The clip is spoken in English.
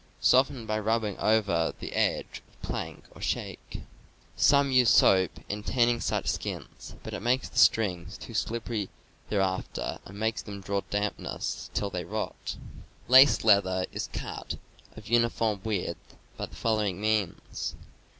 Soften by rubbing over the edge of a plank or shake. Some use soap in tanning such skins, but it makes the strings too slippery thereafter, and makes them draw dampness till they rot. 286 CAMPING AND WOODCRAFT Lace leather is cut of uniform width by the follow ing means.